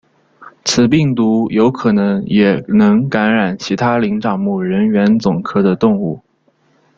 此病毒有可能也能感染其他灵长目人猿总科的动物。